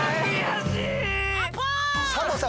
サボさん